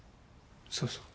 そうそう。